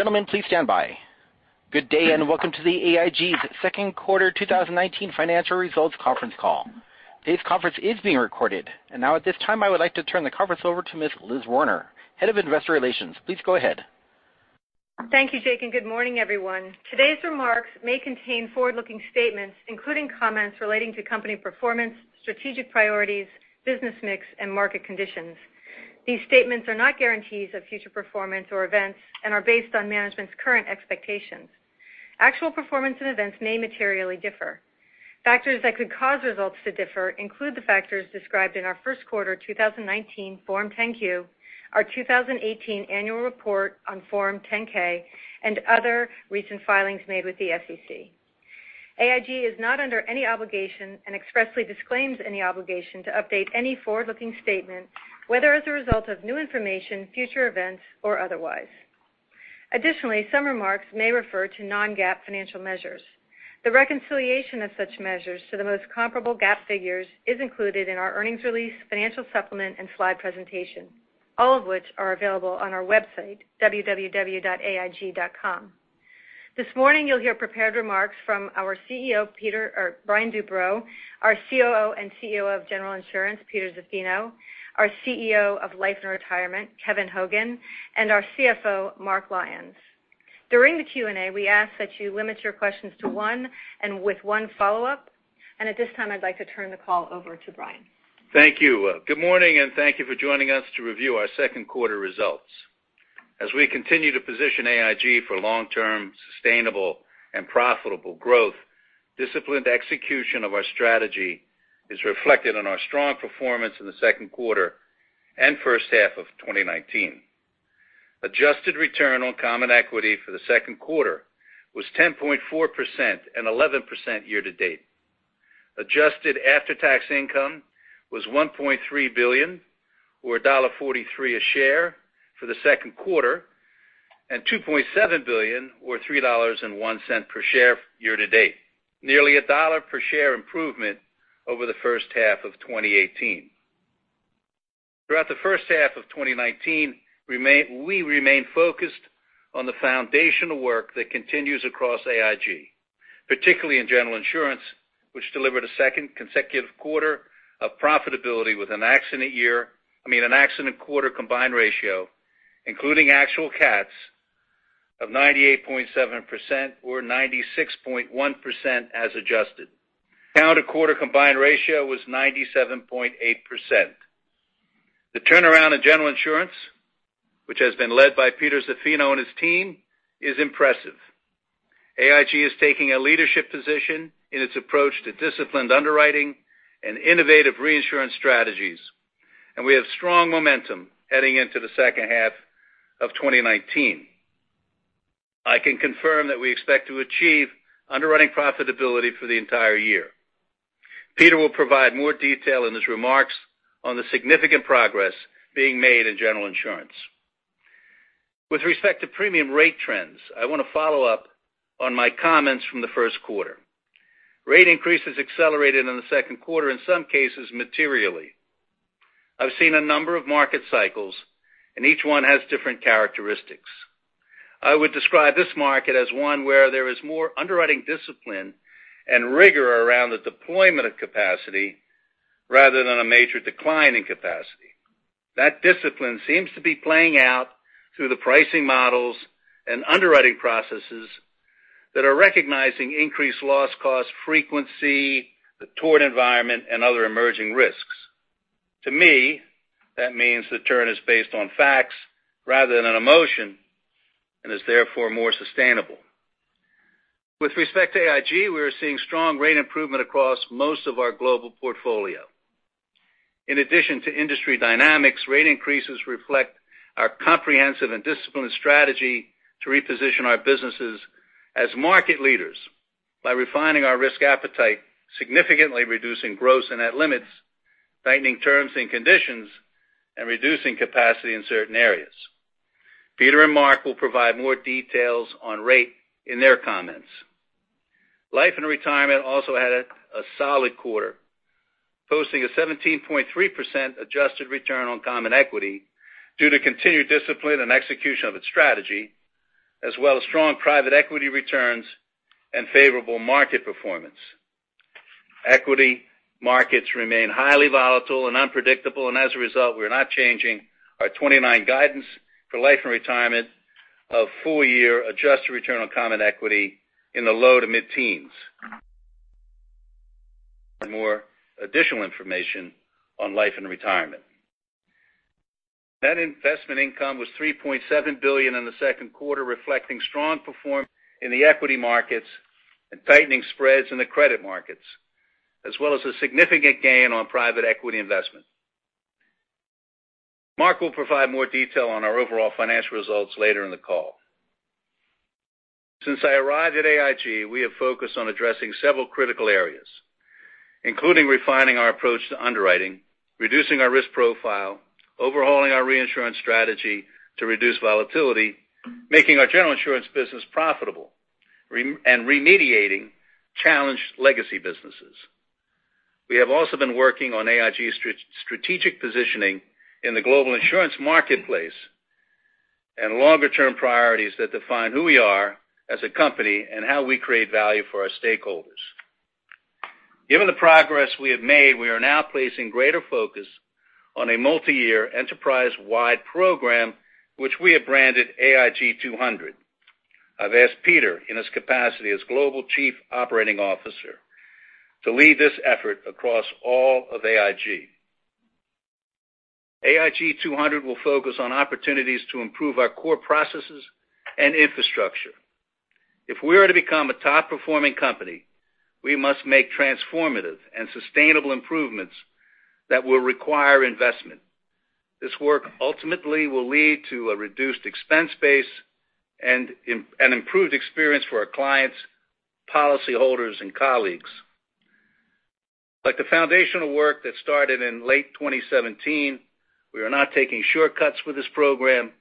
Gentlemen, please stand by. Good day, and welcome to AIG's second quarter 2019 financial results conference call. Today's conference is being recorded. Now at this time, I would like to turn the conference over to Miss Liz Werner, Head of Investor Relations. Please go ahead. Thank you, Jake. Good morning, everyone. Today's remarks may contain forward-looking statements, including comments relating to company performance, strategic priorities, business mix, and market conditions. These statements are not guarantees of future performance or events and are based on management's current expectations. Actual performance and events may materially differ. Factors that could cause results to differ include the factors described in our first quarter 2019 Form 10-Q, our 2018 Annual Report on Form 10-K, and other recent filings made with the SEC. AIG is not under any obligation and expressly disclaims any obligation to update any forward-looking statement, whether as a result of new information, future events, or otherwise. Additionally, some remarks may refer to non-GAAP financial measures. The reconciliation of such measures to the most comparable GAAP figures is included in our earnings release, financial supplement, and slide presentation, all of which are available on our website, www.aig.com. This morning, you'll hear prepared remarks from our CEO, Brian Duperreault, our COO and CEO of General Insurance, Peter Zaffino, our CEO of Life & Retirement, Kevin Hogan, and our CFO, Mark Lyons. During the Q&A, we ask that you limit your questions to one and with one follow-up. At this time, I'd like to turn the call over to Brian. Thank you. Good morning. Thank you for joining us to review our second quarter results. As we continue to position AIG for long-term, sustainable, and profitable growth, disciplined execution of our strategy is reflected in our strong performance in the second quarter and first half of 2019. Adjusted Return on Common Equity for the second quarter was 10.4% and 11% year to date. Adjusted After-Tax Income was $1.3 billion, or $1.43 a share for the second quarter, and $2.7 billion, or $3.01 per share year to date. Nearly a dollar per share improvement over the first half of 2018. Throughout the first half of 2019, we remain focused on the foundational work that continues across AIG, particularly in General Insurance, which delivered a second consecutive quarter of profitability with an accident year, I mean, an accident quarter combined ratio, including actual cats, of 98.7%, or 96.1% as adjusted. Calendar quarter combined ratio was 97.8%. The turnaround in General Insurance, which has been led by Peter Zaffino and his team, is impressive. AIG is taking a leadership position in its approach to disciplined underwriting and innovative reinsurance strategies, and we have strong momentum heading into the second half of 2019. I can confirm that we expect to achieve underwriting profitability for the entire year. Peter will provide more detail in his remarks on the significant progress being made in General Insurance. With respect to premium rate trends, I want to follow up on my comments from the first quarter. Rate increases accelerated in the second quarter, in some cases materially. I've seen a number of market cycles, and each one has different characteristics. I would describe this market as one where there is more underwriting discipline and rigor around the deployment of capacity rather than a major decline in capacity. That discipline seems to be playing out through the pricing models and underwriting processes that are recognizing increased loss cost frequency, the tort environment, and other emerging risks. To me, that means the turn is based on facts rather than an emotion and is therefore more sustainable. With respect to AIG, we are seeing strong rate improvement across most of our global portfolio. In addition to industry dynamics, rate increases reflect our comprehensive and disciplined strategy to reposition our businesses as market leaders by refining our risk appetite, significantly reducing gross and net limits, tightening terms and conditions, and reducing capacity in certain areas. Peter and Mark will provide more details on rate in their comments. Life & Retirement also had a solid quarter, posting a 17.3% adjusted return on common equity due to continued discipline and execution of its strategy, as well as strong private equity returns and favorable market performance. Equity markets remain highly volatile and unpredictable. As a result, we are not changing our 2029 guidance for Life & Retirement of full-year adjusted return on common equity in the low to mid-teens. More additional information on Life & Retirement. Net investment income was $3.7 billion in the second quarter, reflecting strong performance in the equity markets and tightening spreads in the credit markets, as well as a significant gain on private equity investment. Mark will provide more detail on our overall financial results later in the call. Since I arrived at AIG, we have focused on addressing several critical areas, including refining our approach to underwriting, reducing our risk profile, overhauling our reinsurance strategy to reduce volatility, making our General Insurance business profitable, and remediating challenged legacy businesses. We have also been working on AIG's strategic positioning in the global insurance marketplace and longer-term priorities that define who we are as a company and how we create value for our stakeholders. Given the progress we have made, we are now placing greater focus on a multi-year enterprise-wide program, which we have branded AIG200. I've asked Peter, in his capacity as Global Chief Operating Officer, to lead this effort across all of AIG. AIG200 will focus on opportunities to improve our core processes and infrastructure. If we are to become a top-performing company, we must make transformative and sustainable improvements that will require investment. This work ultimately will lead to a reduced expense base and an improved experience for our clients, policyholders, and colleagues. Like the foundational work that started in late 2017, we are not taking shortcuts with this program.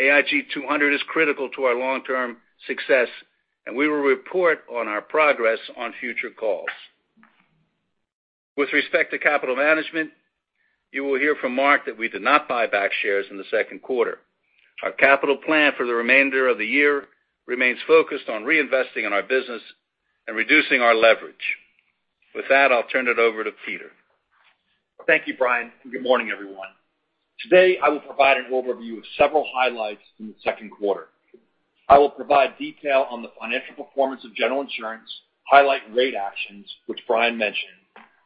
AIG200 is critical to our long-term success, and we will report on our progress on future calls. With respect to capital management, you will hear from Mark that we did not buy back shares in the second quarter. Our capital plan for the remainder of the year remains focused on reinvesting in our business and reducing our leverage. With that, I'll turn it over to Peter. Thank you, Brian, and good morning, everyone. Today, I will provide an overview of several highlights from the second quarter. I will provide detail on the financial performance of General Insurance, highlight rate actions, which Brian mentioned,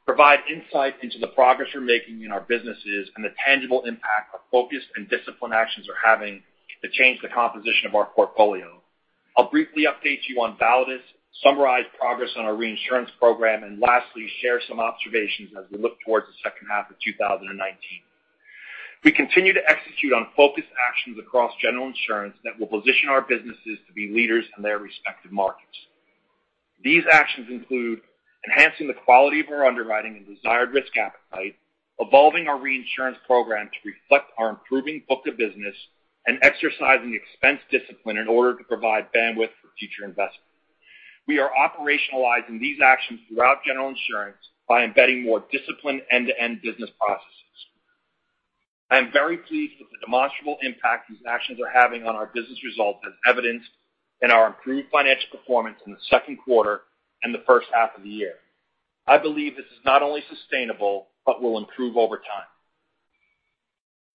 provide insight into the progress we're making in our businesses, and the tangible impact our focused and disciplined actions are having to change the composition of our portfolio. I'll briefly update you on Validus, summarize progress on our reinsurance program, and lastly, share some observations as we look towards the second half of 2019. We continue to execute on focused actions across General Insurance that will position our businesses to be leaders in their respective markets. These actions include enhancing the quality of our underwriting and desired risk appetite, evolving our reinsurance program to reflect our improving book of business, and exercising expense discipline in order to provide bandwidth for future investment. We are operationalizing these actions throughout General Insurance by embedding more disciplined end-to-end business processes. I am very pleased with the demonstrable impact these actions are having on our business results, as evidenced in our improved financial performance in the second quarter and the first half of the year. I believe this is not only sustainable, but will improve over time.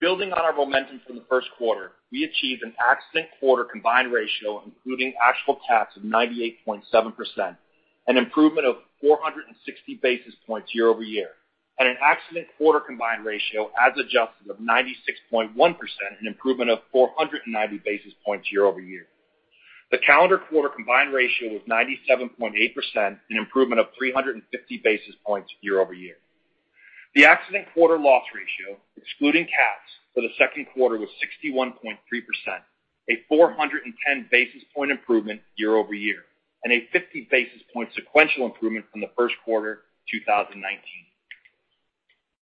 Building on our momentum from the first quarter, we achieved an accident quarter combined ratio, including actual cats of 98.7%, an improvement of 460 basis points year-over-year, and an accident quarter combined ratio as adjusted of 96.1%, an improvement of 490 basis points year-over-year. The calendar quarter combined ratio was 97.8%, an improvement of 350 basis points year-over-year. The accident quarter loss ratio, excluding cats for the second quarter, was 61.3%, a 410 basis point improvement year-over-year, and a 50 basis point sequential improvement from the first quarter 2019.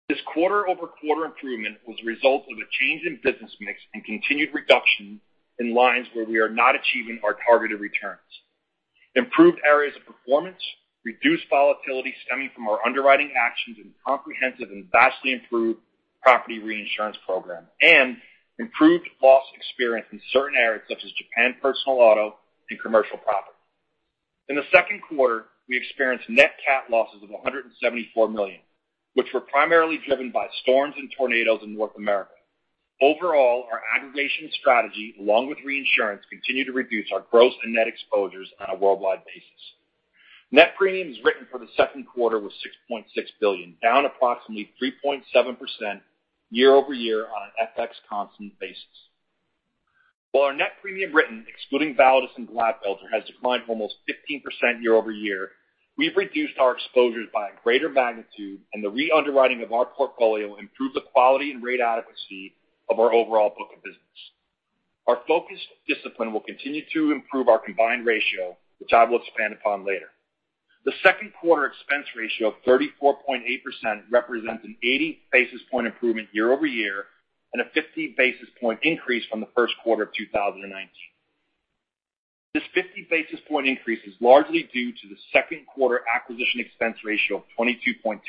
This quarter-over-quarter improvement was a result of a change in business mix and continued reduction in lines where we are not achieving our targeted returns. Improved areas of performance reduced volatility stemming from our underwriting actions and comprehensive and vastly improved property reinsurance program, and improved loss experience in certain areas such as Japan Personal Auto and Commercial Property. In the second quarter, we experienced net cat losses of $174 million, which were primarily driven by storms and tornadoes in North America. Overall, our aggregation strategy, along with reinsurance, continue to reduce our gross and net exposures on a worldwide basis. Net premiums written for the second quarter was $6.6 billion, down approximately 3.7% year-over-year on an FX constant basis. While our net premium written, excluding Validus and Glatfelter, has declined almost 15% year-over-year, we've reduced our exposures by a greater magnitude, and the re-underwriting of our portfolio improved the quality and rate adequacy of our overall book of business. Our focused discipline will continue to improve our combined ratio, which I will expand upon later. The second quarter expense ratio of 34.8% represents an 80 basis point improvement year-over-year and a 50 basis point increase from the first quarter of 2019. This 50 basis point increase is largely due to the second quarter acquisition expense ratio of 22.2%,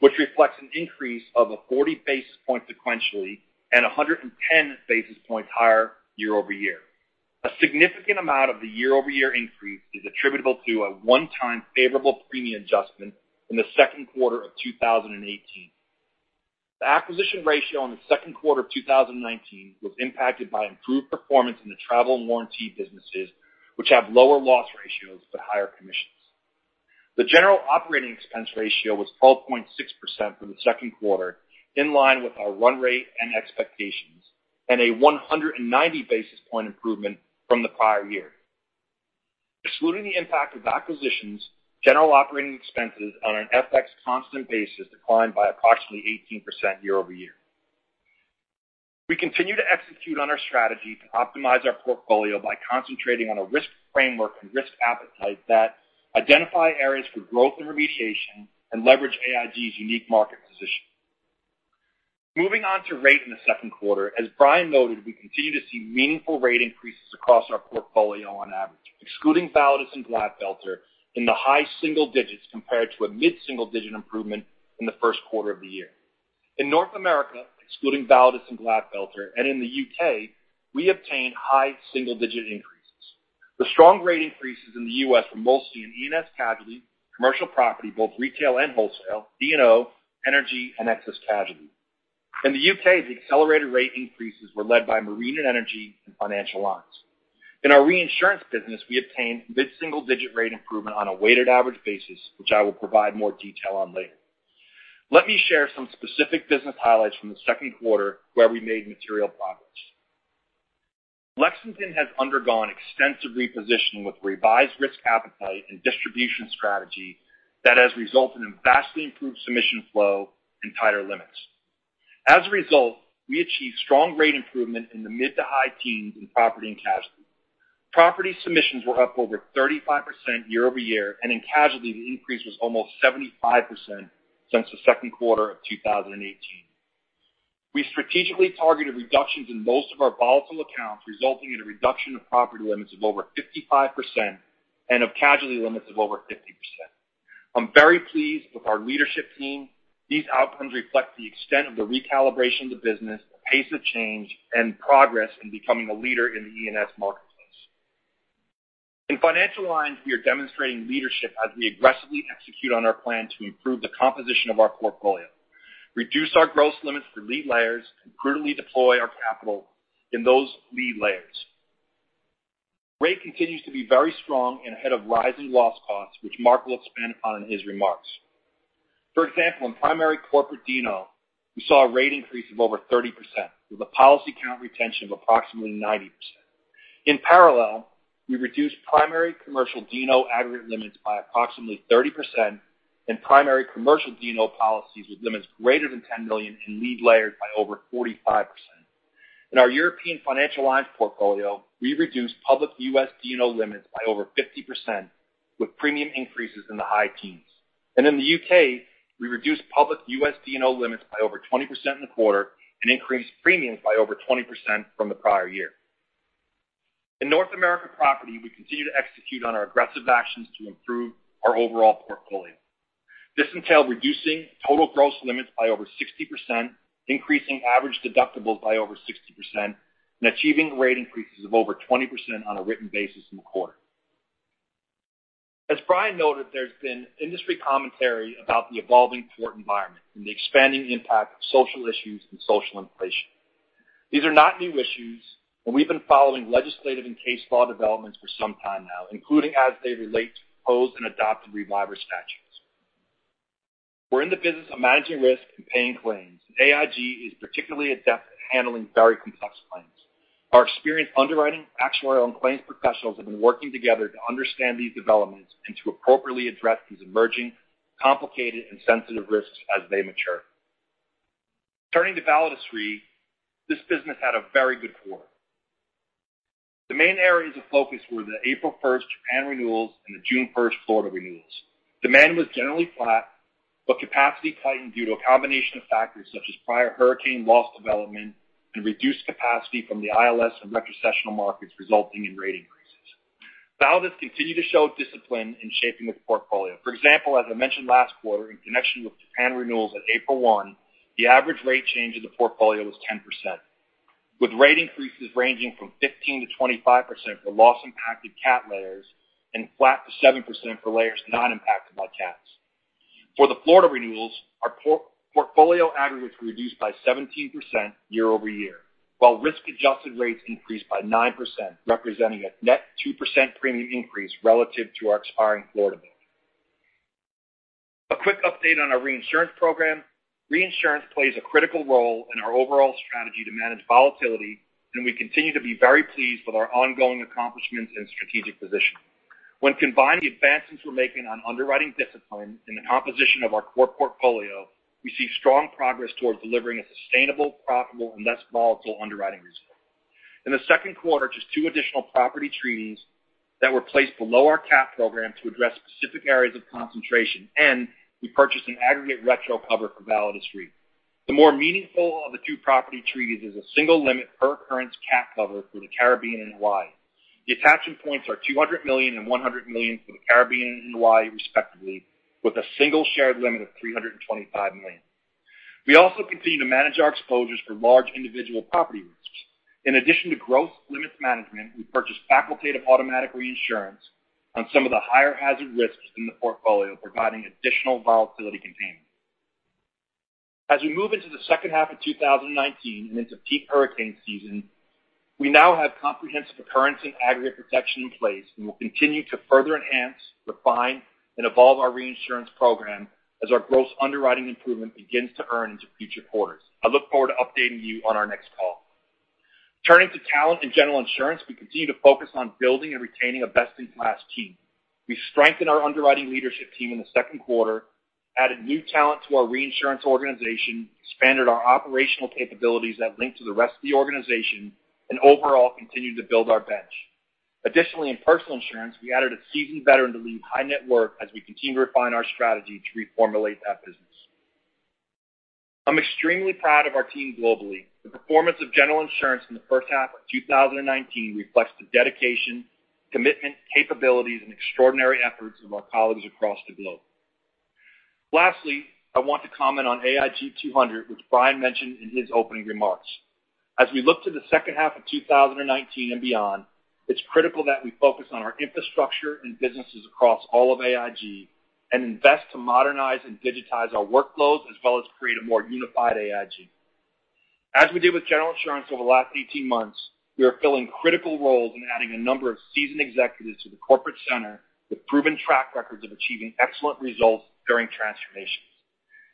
which reflects an increase of a 40 basis point sequentially and 110 basis points higher year-over-year. A significant amount of the year-over-year increase is attributable to a one-time favorable premium adjustment in the second quarter of 2018. The acquisition ratio in the second quarter of 2019 was impacted by improved performance in the travel and warranty businesses, which have lower loss ratios but higher commissions. The general operating expense ratio was 12.6% for the second quarter, in line with our run rate and expectations, and a 190 basis point improvement from the prior year. Excluding the impact of acquisitions, general operating expenses on an FX constant basis declined by approximately 18% year-over-year. We continue to execute on our strategy to optimize our portfolio by concentrating on a risk framework and risk appetite that identify areas for growth and remediation and leverage AIG's unique market position. Moving on to rate in the second quarter. As Brian noted, we continue to see meaningful rate increases across our portfolio on average, excluding Validus and Glatfelter, in the high single digits compared to a mid-single-digit improvement in the first quarter of the year. In North America, excluding Validus and Glatfelter, and in the U.K., we obtained high-single-digit increases. The strong rate increases in the U.S. were mostly in E&S casualty, commercial property, both retail and wholesale, D&O, energy, and excess casualty. In the U.K., the accelerated rate increases were led by marine and energy and financial lines. In our reinsurance business, we obtained mid-single-digit rate improvement on a weighted average basis, which I will provide more detail on later. Let me share some specific business highlights from the second quarter where we made material progress. Lexington has undergone extensive repositioning with revised risk appetite and distribution strategy that has resulted in vastly improved submission flow and tighter limits. As a result, we achieved strong rate improvement in the mid to high teens in property and casualty. Property submissions were up over 35% year-over-year, and in casualty, the increase was almost 75% since the second quarter of 2018. We strategically targeted reductions in most of our volatile accounts, resulting in a reduction of property limits of over 55% and of casualty limits of over 50%. I'm very pleased with our leadership team. These outcomes reflect the extent of the recalibration of the business, the pace of change, and progress in becoming a leader in the E&S marketplace. In financial lines, we are demonstrating leadership as we aggressively execute on our plan to improve the composition of our portfolio, reduce our gross limits through lead layers, and prudently deploy our capital in those lead layers. Rate continues to be very strong and ahead of rising loss costs, which Mark will expand upon in his remarks. For example, in primary corporate D&O, we saw a rate increase of over 30% with a policy count retention of approximately 90%. In parallel, we reduced primary commercial D&O aggregate limits by approximately 30% and primary commercial D&O policies with limits greater than $10 million in lead layers by over 45%. In our European financial lines portfolio, we reduced public U.S. D&O limits by over 50%, with premium increases in the high teens. In the U.K., we reduced public U.S. D&O limits by over 20% in the quarter and increased premiums by over 20% from the prior year. In North America Property, we continue to execute on our aggressive actions to improve our overall portfolio. This entailed reducing total gross limits by over 60%, increasing average deductibles by over 60%, and achieving rate increases of over 20% on a written basis in the quarter. As Brian noted, there's been industry commentary about the evolving tort environment and the expanding impact of social issues and social inflation. These are not new issues, and we've been following legislative and case law developments for some time now, including as they relate to proposed and adopted revival statutes. We're in the business of managing risk and paying claims. AIG is particularly adept at handling very complex claims. Our experienced underwriting, actuarial, and claims professionals have been working together to understand these developments and to appropriately address these emerging, complicated, and sensitive risks as they mature. Turning to Validus Re, this business had a very good quarter. The main areas of focus were the April 1st Japan renewals and the June 1st Florida renewals. Demand was generally flat, but capacity tightened due to a combination of factors such as prior hurricane loss development and reduced capacity from the ILS and retrocessional markets, resulting in rate increases. Validus continued to show discipline in shaping the portfolio. For example, as I mentioned last quarter, in connection with Japan renewals on April 1, the average rate change in the portfolio was 10%, with rate increases ranging from 15%-25% for loss-impacted cat layers and flat to 7% for layers not impacted by cats. For the Florida renewals, our portfolio aggregates were reduced by 17% year-over-year, while risk-adjusted rates increased by 9%, representing a net 2% premium increase relative to our expiring Florida book. A quick update on our reinsurance program. Reinsurance plays a critical role in our overall strategy to manage volatility, and we continue to be very pleased with our ongoing accomplishments and strategic position. When combined, the advancements we're making on underwriting discipline and the composition of our core portfolio, we see strong progress towards delivering a sustainable, profitable, and less volatile underwriting reserve. In the second quarter, just two additional property treaties that were placed below our cat program to address specific areas of concentration, and we purchased an aggregate retro cover for Validus Re. The more meaningful of the two property treaties is a single limit per occurrence cat cover for the Caribbean and Hawaii. The attachment points are $200 million and $100 million for the Caribbean and Hawaii, respectively, with a single shared limit of $325 million. We also continue to manage our exposures for large individual property risks. In addition to gross limits management, we purchased facultative automatic reinsurance on some of the higher hazard risks in the portfolio, providing additional volatility containment. As we move into the second half of 2019 and into peak hurricane season, we now have comprehensive occurrence and aggregate protection in place, and we'll continue to further enhance, refine, and evolve our reinsurance program as our gross underwriting improvement begins to earn into future quarters. I look forward to updating you on our next call. Turning to talent and General Insurance, we continue to focus on building and retaining a best-in-class team. We strengthened our underwriting leadership team in the second quarter, added new talent to our reinsurance organization, expanded our operational capabilities that link to the rest of the organization, and overall continued to build our bench. Additionally, in personal insurance, we added a seasoned veteran to lead high net worth as we continue to refine our strategy to reformulate that business. I'm extremely proud of our team globally. The performance of General Insurance in the first half of 2019 reflects the dedication, commitment, capabilities, and extraordinary efforts of our colleagues across the globe. Lastly, I want to comment on AIG 200, which Brian mentioned in his opening remarks. As we look to the second half of 2019 and beyond, it's critical that we focus on our infrastructure and businesses across all of AIG and invest to modernize and digitize our workflows as well as create a more unified AIG. As we did with General Insurance over the last 18 months, we are filling critical roles and adding a number of seasoned executives to the corporate center with proven track records of achieving excellent results during transformations.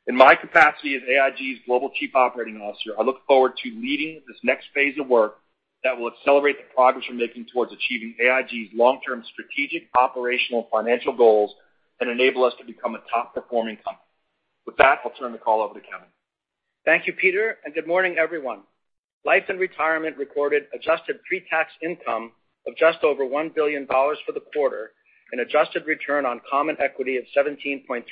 In my capacity as AIG's Global Chief Operating Officer, I look forward to leading this next phase of work that will accelerate the progress we're making towards achieving AIG's long-term strategic, operational, financial goals and enable us to become a top-performing company. With that, I'll turn the call over to Kevin. Thank you, Peter, and good morning, everyone. Life & Retirement recorded adjusted pre-tax income of just over $1 billion for the quarter and adjusted return on common equity of 17.3%.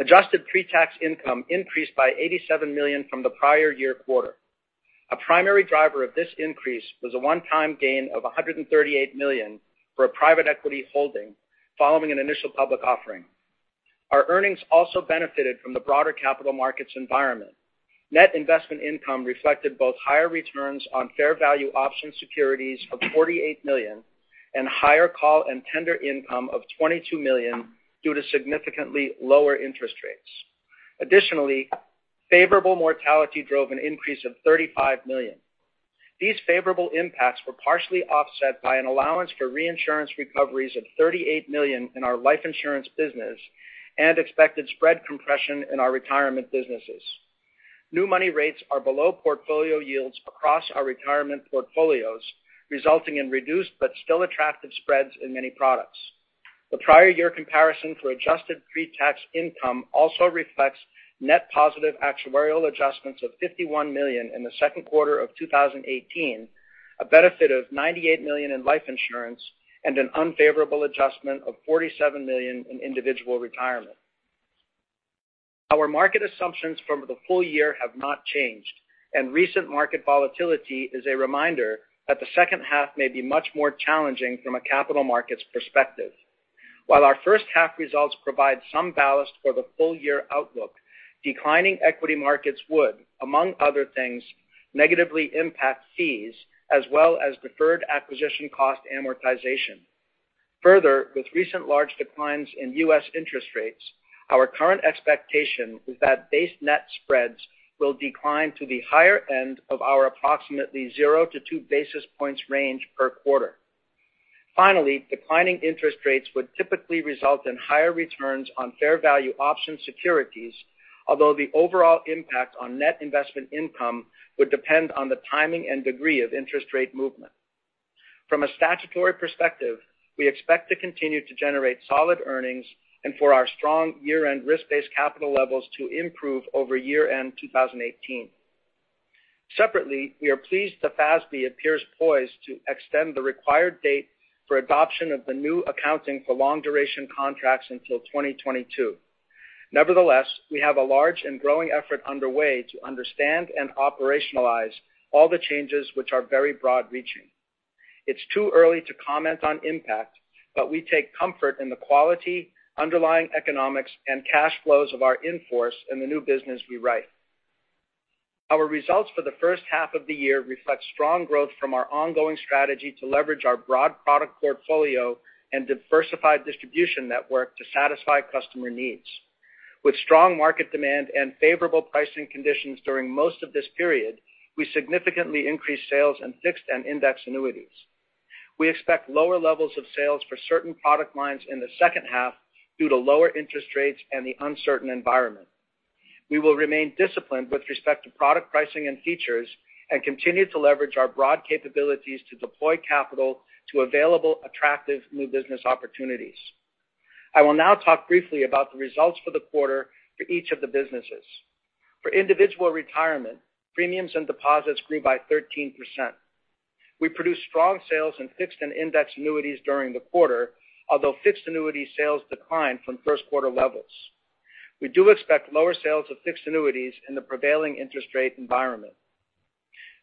Adjusted pre-tax income increased by $87 million from the prior year quarter. A primary driver of this increase was a one-time gain of $138 million for a private equity holding following an initial public offering. Our earnings also benefited from the broader capital markets environment. Net investment income reflected both higher returns on fair value option securities of $48 million and higher call and tender income of $22 million due to significantly lower interest rates. Additionally, favorable mortality drove an increase of $35 million. These favorable impacts were partially offset by an allowance for reinsurance recoveries of $38 million in our life insurance business and expected spread compression in our retirement businesses. New money rates are below portfolio yields across our retirement portfolios, resulting in reduced but still attractive spreads in many products. The prior year comparison for adjusted pre-tax income also reflects net positive actuarial adjustments of $51 million in the second quarter of 2018, a benefit of $98 million in life insurance, and an unfavorable adjustment of $47 million in individual retirement. Our market assumptions from the full year have not changed, and recent market volatility is a reminder that the second half may be much more challenging from a capital markets perspective. While our first half results provide some ballast for the full-year outlook, declining equity markets would, among other things, negatively impact fees as well as deferred acquisition cost amortization. With recent large declines in U.S. interest rates, our current expectation is that base net spreads will decline to the higher end of our approximately zero to two basis points range per quarter. Declining interest rates would typically result in higher returns on fair value option securities, although the overall impact on net investment income would depend on the timing and degree of interest rate movement. From a statutory perspective, we expect to continue to generate solid earnings and for our strong year-end risk-based capital levels to improve over year-end 2018. Separately, we are pleased that FASB appears poised to extend the required date for adoption of the new accounting for long-duration contracts until 2022. Nevertheless, we have a large and growing effort underway to understand and operationalize all the changes which are very broad-reaching. It's too early to comment on impact, but we take comfort in the quality, underlying economics, and cash flows of our in-force in the new business we write. Our results for the first half of the year reflect strong growth from our ongoing strategy to leverage our broad product portfolio and diversified distribution network to satisfy customer needs. With strong market demand and favorable pricing conditions during most of this period, we significantly increased sales in fixed and indexed annuities. We expect lower levels of sales for certain product lines in the second half due to lower interest rates and the uncertain environment. We will remain disciplined with respect to product pricing and features and continue to leverage our broad capabilities to deploy capital to available, attractive new business opportunities. I will now talk briefly about the results for the quarter for each of the businesses. For individual retirement, premiums and deposits grew by 13%. We produced strong sales in fixed and indexed annuities during the quarter, although fixed annuity sales declined from first quarter levels. We do expect lower sales of fixed annuities in the prevailing interest rate environment.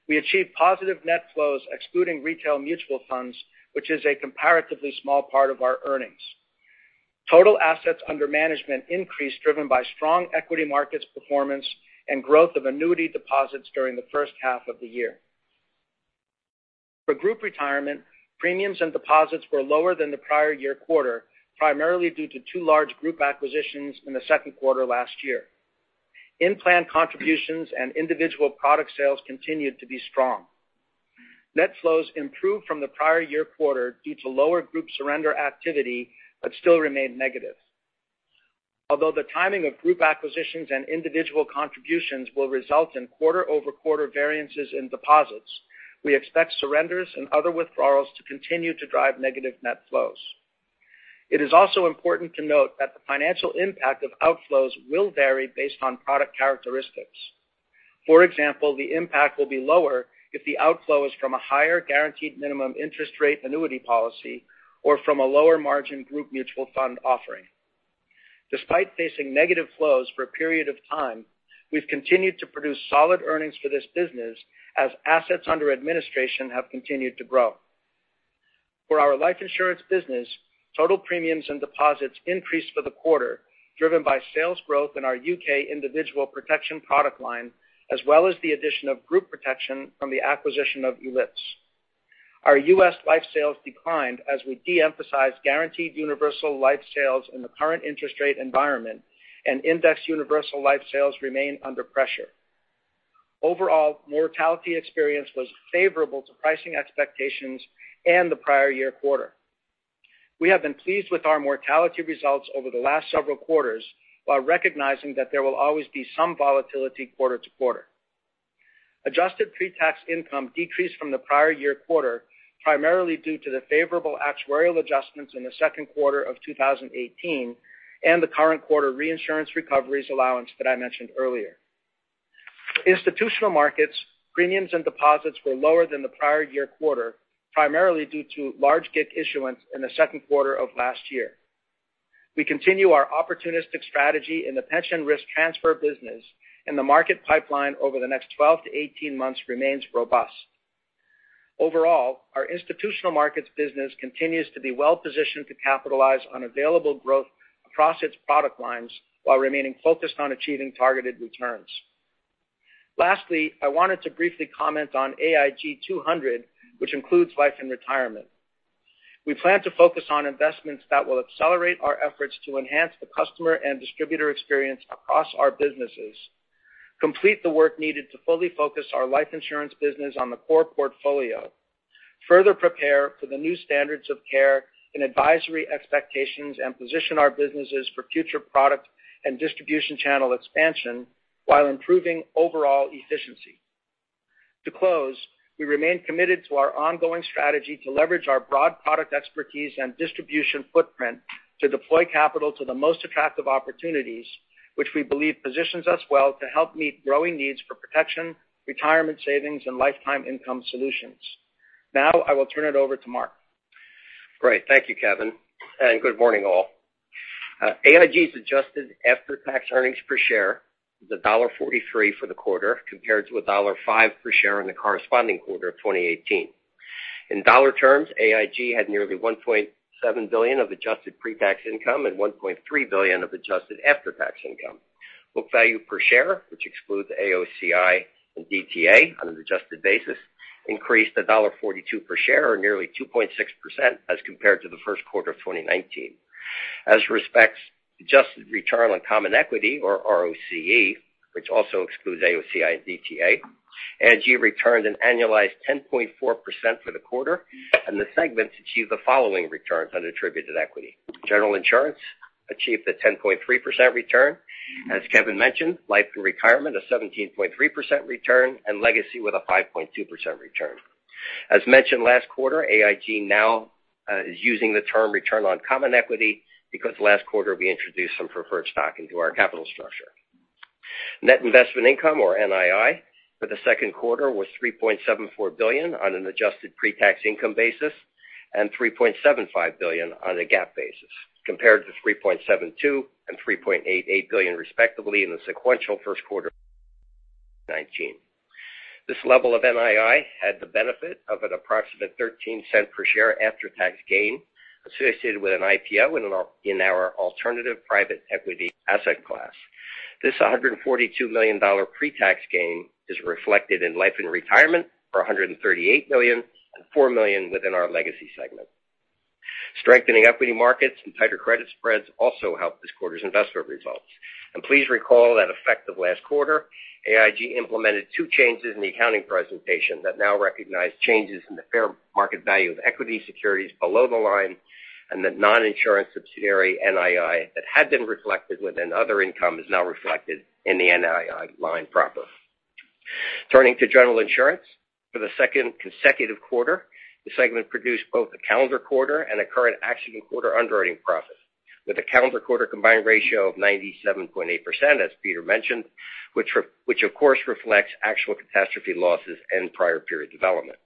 We achieved positive net flows excluding retail mutual funds, which is a comparatively small part of our earnings. Total assets under management increased, driven by strong equity markets performance and growth of annuity deposits during the first half of the year. For group retirement, premiums and deposits were lower than the prior year quarter, primarily due to two large group acquisitions in the second quarter last year. In-plan contributions and individual product sales continued to be strong. Net flows improved from the prior year quarter due to lower group surrender activity but still remained negative. Although the timing of group acquisitions and individual contributions will result in quarter-over-quarter variances in deposits, we expect surrenders and other withdrawals to continue to drive negative net flows. It is also important to note that the financial impact of outflows will vary based on product characteristics. For example, the impact will be lower if the outflow is from a higher guaranteed minimum interest rate annuity policy or from a lower margin group mutual fund offering. Despite facing negative flows for a period of time, we've continued to produce solid earnings for this business as assets under administration have continued to grow. For our life insurance business, total premiums and deposits increased for the quarter, driven by sales growth in our U.K. individual protection product line, as well as the addition of group protection from the acquisition of Ellipse. Our U.S. life sales declined as we de-emphasized guaranteed universal life sales in the current interest rate environment, and indexed universal life sales remain under pressure. Overall, mortality experience was favorable to pricing expectations and the prior year quarter. We have been pleased with our mortality results over the last several quarters while recognizing that there will always be some volatility quarter-to-quarter. Adjusted pre-tax income decreased from the prior year quarter, primarily due to the favorable actuarial adjustments in the second quarter of 2018 and the current quarter reinsurance recoveries allowance that I mentioned earlier. Institutional markets, premiums and deposits were lower than the prior year quarter, primarily due to large GIC issuance in the second quarter of last year. We continue our opportunistic strategy in the pension risk transfer business, and the market pipeline over the next 12 to 18 months remains robust. Overall, our institutional markets business continues to be well-positioned to capitalize on available growth across its product lines while remaining focused on achieving targeted returns. Lastly, I wanted to briefly comment on AIG 200, which includes Life & Retirement. We plan to focus on investments that will accelerate our efforts to enhance the customer and distributor experience across our businesses, complete the work needed to fully focus our life insurance business on the core portfolio, further prepare for the new standards of care and advisory expectations, and position our businesses for future product and distribution channel expansion while improving overall efficiency. To close, we remain committed to our ongoing strategy to leverage our broad product expertise and distribution footprint to deploy capital to the most attractive opportunities, which we believe positions us well to help meet growing needs for protection, retirement savings, and lifetime income solutions. I will turn it over to Mark. Great. Thank you, Kevin, and good morning all. AIG's adjusted after-tax earnings per share was $1.43 for the quarter compared to $1.5 per share in the corresponding quarter of 2018. In dollar terms, AIG had nearly $1.7 billion of adjusted pre-tax income and $1.3 billion of adjusted after-tax income. Book value per share, which excludes AOCI and DTA on an adjusted basis, increased to $1.42 per share or nearly 2.6% as compared to the first quarter of 2019. As respects adjusted return on common equity or ROCE, which also excludes AOCI and DTA, AIG returned an annualized 10.4% for the quarter, and the segments achieved the following returns on attributed equity. General Insurance achieved a 10.3% return. As Kevin mentioned, Life & Retirement, a 17.3% return, and Legacy with a 5.2% return. As mentioned last quarter, AIG now is using the term return on common equity because last quarter we introduced some preferred stock into our capital structure. Net investment income or NII for the second quarter was $3.74 billion on an adjusted pre-tax income basis and $3.75 billion on a GAAP basis, compared to $3.72 billion and $3.88 billion respectively in the sequential first quarter of 2019. This level of NII had the benefit of an approximate $0.13 per share after-tax gain associated with an IPO in our alternative private equity asset class. This $142 million pre-tax gain is reflected in Life & Retirement for $138 million and $4 million within our Legacy segment. Strengthening equity markets and tighter credit spreads also helped this quarter's investment results. Please recall that effective last quarter, AIG implemented two changes in the accounting presentation that now recognize changes in the fair market value of equity securities below the line and that non-insurance subsidiary NII that had been reflected within other income is now reflected in the NII line proper. Turning to General Insurance, for the second consecutive quarter, the segment produced both a calendar quarter and a current accident quarter underwriting profit, with a calendar quarter combined ratio of 97.8%, as Peter mentioned, which of course reflects actual catastrophe losses and prior period development.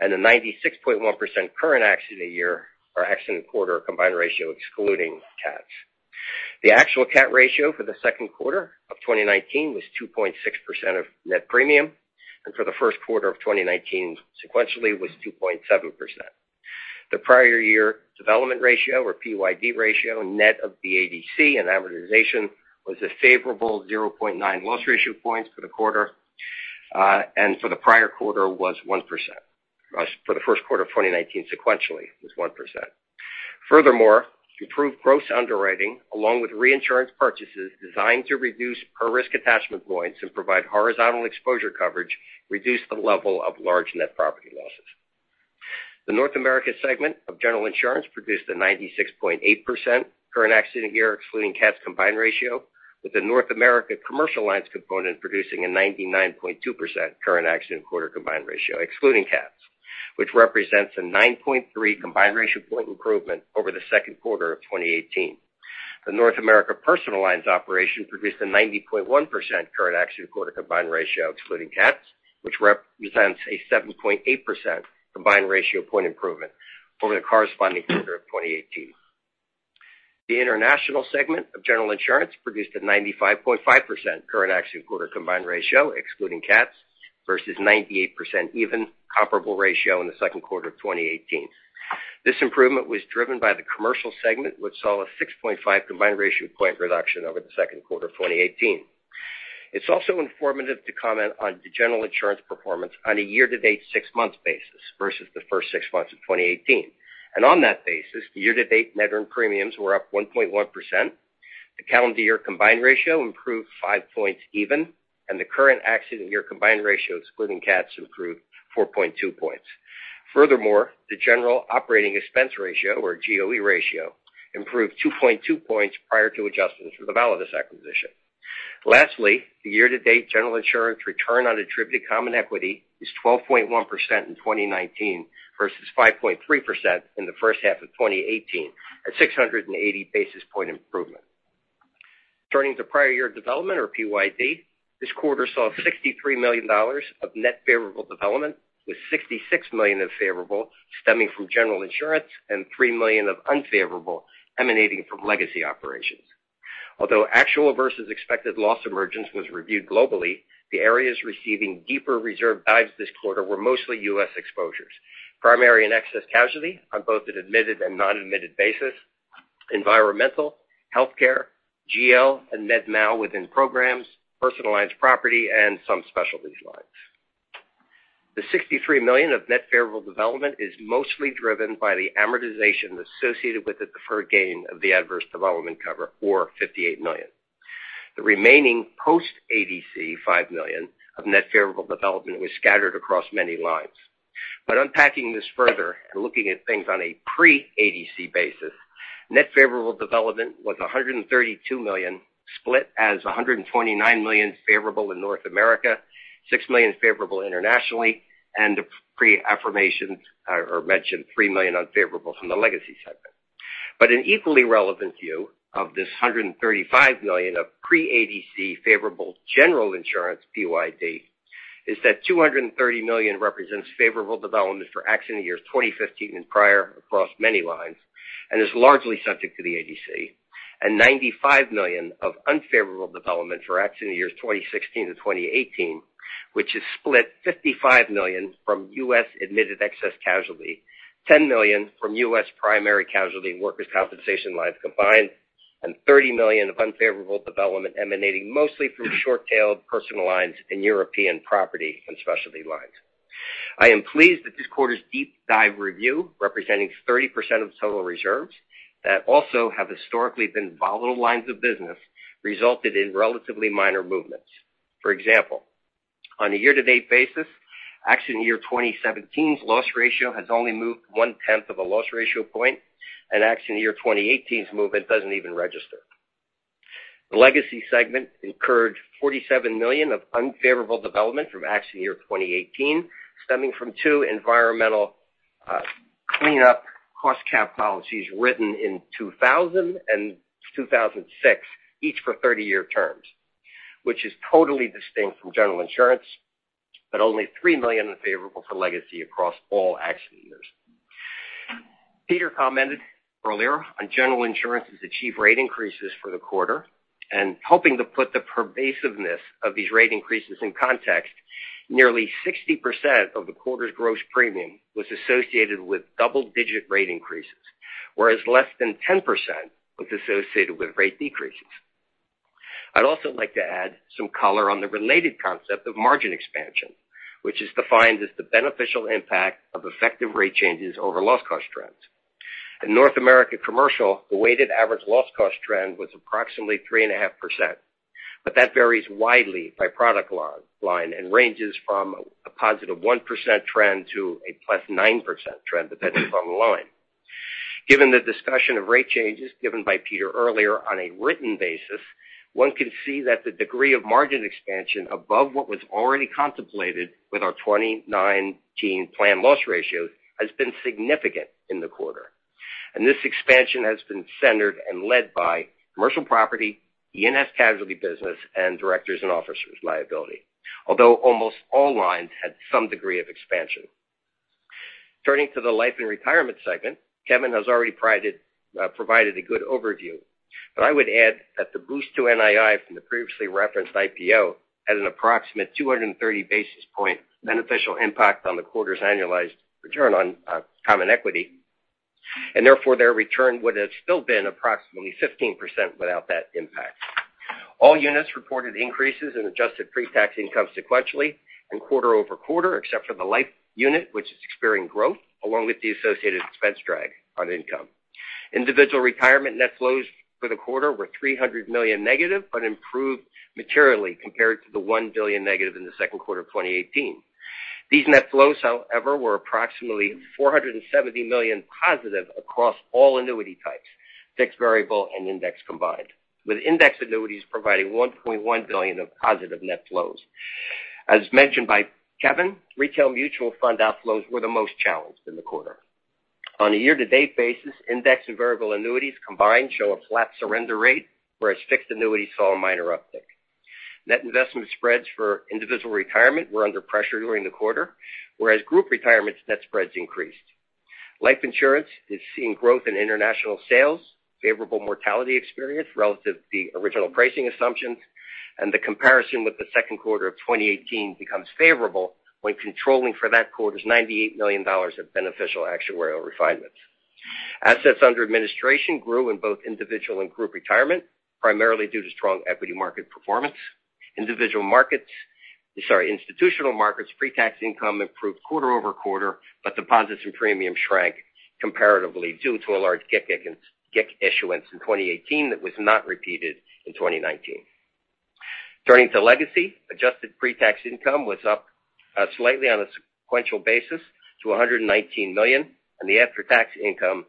A 96.1% current accident year or accident quarter combined ratio excluding CATs. The actual CAT ratio for the second quarter of 2019 was 2.6% of net premium, and for the first quarter of 2019, sequentially, was 2.7%. The prior year development ratio or PYD ratio net of the ADC and amortization was a favorable 0.9 loss ratio points for the quarter, and for the first quarter of 2019, sequentially, was 1%. Furthermore, improved gross underwriting, along with reinsurance purchases designed to reduce per risk attachment points and provide horizontal exposure coverage, reduced the level of large net property losses. The North America segment of General Insurance produced a 96.8% current accident year excluding CATs combined ratio. With the North America Commercial Lines component producing a 99.2% current accident quarter combined ratio, excluding CATs, which represents a 9.3 combined ratio point improvement over the second quarter of 2018. The North America Personal Lines operation produced a 90.1% current accident quarter combined ratio excluding CATs, which represents a 7.8% combined ratio point improvement over the corresponding quarter of 2018. The international segment of General Insurance produced a 95.5% current accident quarter combined ratio excluding CATs versus 98% even comparable ratio in the second quarter of 2018. This improvement was driven by the commercial segment, which saw a 6.5 combined ratio point reduction over the second quarter of 2018. It is also informative to comment on the General Insurance performance on a year-to-date six-month basis versus the first six months of 2018. On that basis, the year-to-date net earned premiums were up 1.1%, the calendar year combined ratio improved five points even, and the current accident year combined ratio excluding CATs improved 4.2 points. Furthermore, the general operating expense ratio, or GOE ratio, improved 2.2 points prior to adjustments for the Validus acquisition. Lastly, the year-to-date General Insurance return on attributed common equity is 12.1% in 2019 versus 5.3% in the first half of 2018, a 680 basis point improvement. Turning to prior year development, or PYD, this quarter saw $63 million of net favorable development, with $66 million of favorable stemming from General Insurance and $3 million of unfavorable emanating from legacy operations. Although actual versus expected loss emergence was reviewed globally, the areas receiving deeper reserve dives this quarter were mostly U.S. exposures. Primary and excess casualty on both an admitted and non-admitted basis, environmental, healthcare, GL, and Med Mal within programs, personal lines property, and some specialties lines. The $63 million of net favorable development is mostly driven by the amortization associated with the deferred gain of the adverse development cover, or $58 million. The remaining post-ADC, $5 million of net favorable development, was scattered across many lines. Unpacking this further and looking at things on a pre-ADC basis, net favorable development was $132 million, split as $129 million favorable in North America, $6 million favorable internationally, and the pre-affirmation, or mentioned $3 million unfavorable from the legacy segment. An equally relevant view of this $135 million of pre-ADC favorable General Insurance PYD is that $230 million represents favorable development for accident years 2015 and prior across many lines, and is largely subject to the ADC, and $95 million of unfavorable development for accident years 2016 to 2018, which is split $55 million from U.S. admitted excess casualty, $10 million from U.S. primary casualty workers' compensation lines combined, and $30 million of unfavorable development emanating mostly from short-tailed personal lines in European property and specialty lines. I am pleased that this quarter's deep dive review, representing 30% of total reserves that also have historically been volatile lines of business, resulted in relatively minor movements. For example, on a year-to-date basis, accident year 2017's loss ratio has only moved one tenth of a loss ratio point, and accident year 2018's movement doesn't even register. The legacy segment incurred $47 million of unfavorable development from accident year 2018, stemming from two environmental cleanup cost cap policies written in 2000 and 2006, each for 30-year terms, which is totally distinct from General Insurance, but only $3 million unfavorable to legacy across all accident years. Peter commented earlier on General Insurance's achieved rate increases for the quarter. Hoping to put the pervasiveness of these rate increases in context, nearly 60% of the quarter's gross premium was associated with double-digit rate increases, whereas less than 10% was associated with rate decreases. I'd also like to add some color on the related concept of margin expansion, which is defined as the beneficial impact of effective rate changes over loss cost trends. In North America Commercial, the weighted average loss cost trend was approximately 3.5%, but that varies widely by product line and ranges from a positive 1% trend to a +9% trend, but that depends on the line. Given the discussion of rate changes given by Peter earlier on a written basis, one can see that the degree of margin expansion above what was already contemplated with our 2019 plan loss ratio has been significant in the quarter. This expansion has been centered and led by commercial property, E&S casualty business, and directors and officers' liability. Almost all lines had some degree of expansion. Turning to the Life & Retirement segment, Kevin has already provided a good overview. I would add that the boost to NII from the previously referenced IPO had an approximate 230 basis point beneficial impact on the quarter's annualized return on common equity. Therefore, their return would have still been approximately 15% without that impact. All units reported increases in adjusted pre-tax income sequentially and quarter-over-quarter, except for the life unit, which is experiencing growth along with the associated expense drag on income. Individual retirement net flows for the quarter were $300 million negative, but improved materially compared to the $1 billion negative in the second quarter of 2018. These net flows, however, were approximately $470 million positive across all annuity types, fixed variable and index combined, with index annuities providing $1.1 billion of positive net flows. As mentioned by Kevin, retail mutual fund outflows were the most challenged in the quarter. On a year-to-date basis, index and variable annuities combined show a flat surrender rate, whereas fixed annuities saw a minor uptick. Net investment spreads for individual retirement were under pressure during the quarter, whereas group retirements net spreads increased. Life insurance is seeing growth in international sales, favorable mortality experience relative to the original pricing assumptions. The comparison with the second quarter of 2018 becomes favorable when controlling for that quarter's $98 million of beneficial actuarial refinements. Assets under administration grew in both individual and group retirement, primarily due to strong equity market performance. Institutional markets' pre-tax income improved quarter-over-quarter. Deposits and premiums shrank comparatively due to a large GIC issuance in 2018 that was not repeated in 2019. Turning to legacy, adjusted pre-tax income was up slightly on a sequential basis to $119 million. The after-tax income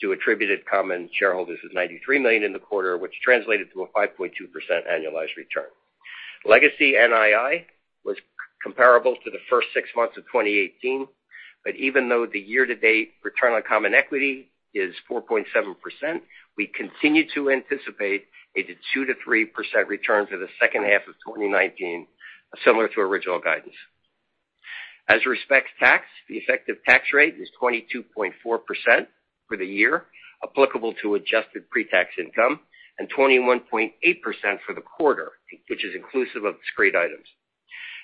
to attributed common shareholders was $93 million in the quarter, which translated to a 5.2% annualized return. Legacy NII was comparable to the first six months of 2018, but even though the year-to-date return on common equity is 4.7%, we continue to anticipate a 2%-3% return for the second half of 2019, similar to original guidance. As respects tax, the effective tax rate is 22.4% for the year applicable to adjusted pre-tax income and 21.8% for the quarter, which is inclusive of discrete items.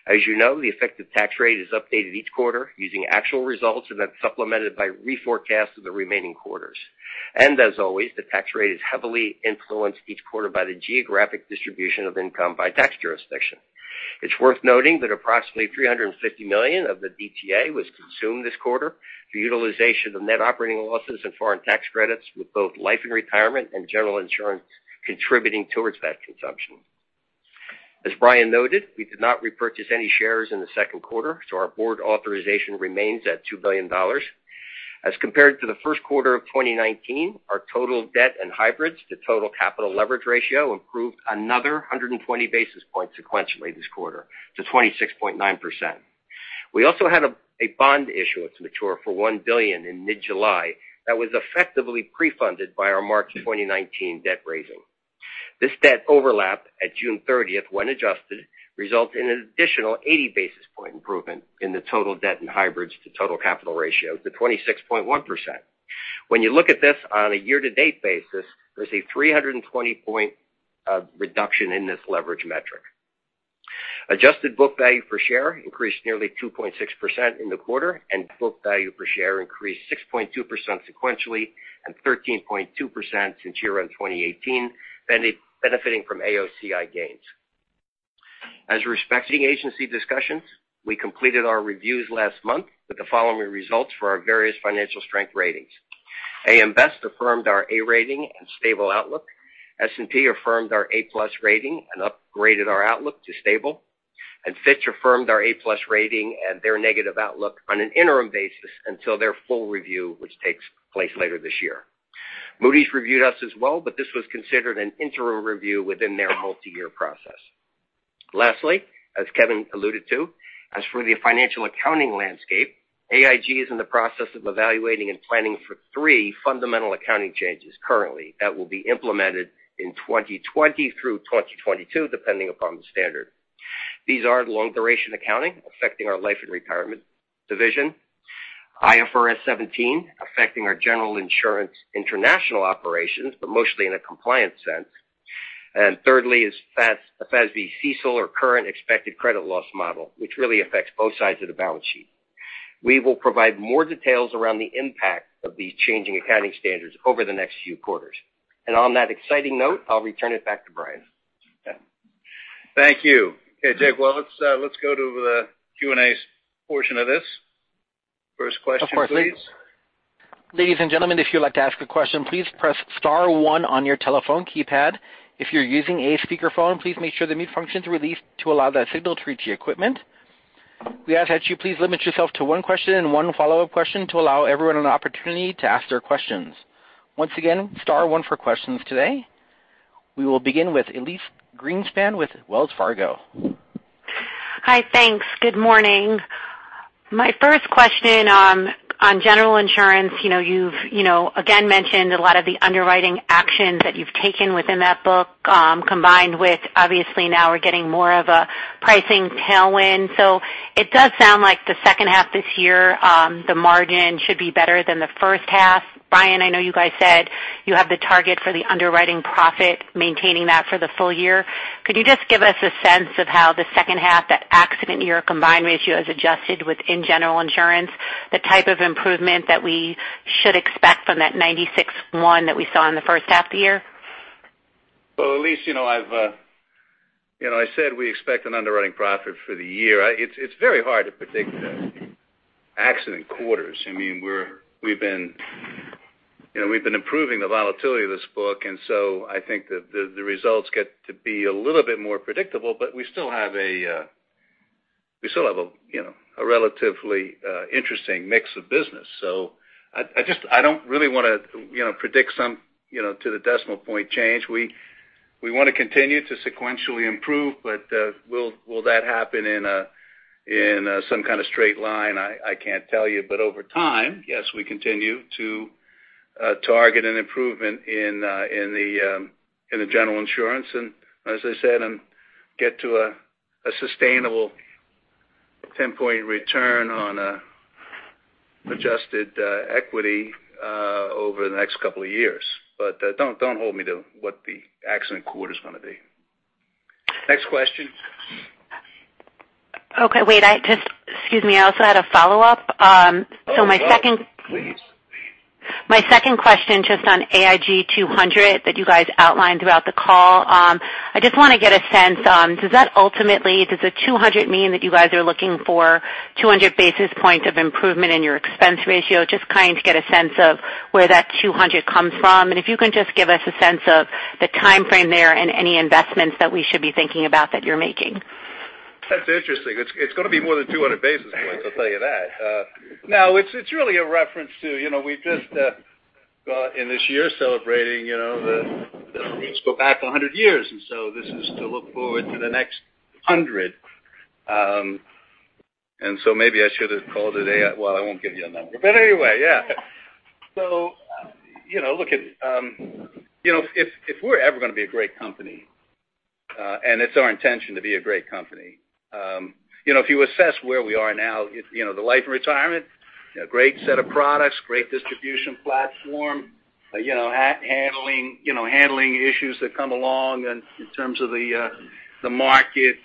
As you know, the effective tax rate is updated each quarter using actual results and then supplemented by reforecasts of the remaining quarters. As always, the tax rate is heavily influenced each quarter by the geographic distribution of income by tax jurisdiction. It's worth noting that approximately $350 million of the DTA was consumed this quarter for utilization of net operating losses and foreign tax credits, with both Life & Retirement and General Insurance contributing towards that consumption. As Brian noted, we did not repurchase any shares in the second quarter. Our board authorization remains at $2 billion. As compared to the first quarter of 2019, our total debt and hybrids to total capital leverage ratio improved another 120 basis points sequentially this quarter to 26.9%. We also had a bond issuance mature for $1 billion in mid-July that was effectively pre-funded by our March 2019 debt raising. This debt overlap at June 30th, when adjusted, results in an additional 80 basis point improvement in the total debt and hybrids to total capital ratio to 26.1%. When you look at this on a year-to-date basis, there's a 320-point reduction in this leverage metric. Adjusted book value per share increased nearly 2.6% in the quarter, and book value per share increased 6.2% sequentially and 13.2% since year-end 2018, benefiting from AOCI gains. As respects to the agency discussions, we completed our reviews last month with the following results for our various financial strength ratings. AM Best affirmed our A rating and stable outlook. S&P affirmed our A+ rating and upgraded our outlook to stable. Fitch affirmed our A+ rating and their negative outlook on an interim basis until their full review, which takes place later this year. Moody's reviewed us as well, but this was considered an interim review within their multi-year process. Lastly, as Kevin alluded to, as for the financial accounting landscape, AIG is in the process of evaluating and planning for three fundamental accounting changes currently that will be implemented in 2020 through 2022, depending upon the standard. These are long-duration accounting, affecting our Life & Retirement division, IFRS 17, affecting our General Insurance international operations, but mostly in a compliance sense, and thirdly is FASB CECL or current expected credit loss model, which really affects both sides of the balance sheet. We will provide more details around the impact of these changing accounting standards over the next few quarters. On that exciting note, I'll return it back to Brian. Thank you. Okay, Jake, let's go to the Q&A portion of this. First question, please. Of course. Ladies and gentlemen, if you'd like to ask a question, please press *1 on your telephone keypad. If you're using a speakerphone, please make sure the mute function's released to allow that signal to reach the equipment. We ask that you please limit yourself to one question and one follow-up question to allow everyone an opportunity to ask their questions. Once again, *1 for questions today. We will begin with Elyse Greenspan with Wells Fargo. Hi. Thanks. Good morning. My first question on General Insurance, you've again mentioned a lot of the underwriting actions that you've taken within that book, combined with obviously now we're getting more of a pricing tailwind. It does sound like the second half this year the margin should be better than the first half. Brian, I know you guys said you have the target for the underwriting profit, maintaining that for the full year. Could you just give us a sense of how the second half, that accident year combined ratio is adjusted within General Insurance, the type of improvement that we should expect from that 96.1 that we saw in the first half of the year? Well, Elyse, I said we expect an underwriting profit for the year. It's very hard to predict accident quarters. We've been improving the volatility of this book, I think that the results get to be a little bit more predictable, but we still have a relatively interesting mix of business. I don't really want to predict some to the decimal point change. We want to continue to sequentially improve, will that happen in some kind of straight line? I can't tell you. Over time, yes, we continue to target an improvement in the General Insurance, and as I said, get to a sustainable 10-point return on adjusted equity over the next couple of years. Don't hold me to what the accident quarter's going to be. Next question. Okay. Wait, excuse me, I also had a follow-up. Oh, please. My second question, just on AIG 200 that you guys outlined throughout the call. I just want to get a sense, does that ultimately, does the 200 mean that you guys are looking for 200 basis points of improvement in your expense ratio? Just trying to get a sense of where that 200 comes from, and if you can just give us a sense of the timeframe there and any investments that we should be thinking about that you're making. That's interesting. It's going to be more than 200 basis points, I'll tell you that. No, it's really a reference to, we've just, in this year, celebrating the roots go back 100 years. This is to look forward to the next 100. Maybe I should have called it, well, I won't give you a number. Anyway, yeah. If we're ever going to be a great company, and it's our intention to be a great company. If you assess where we are now, the Life & Retirement, great set of products, great distribution platform, handling issues that come along and in terms of the market,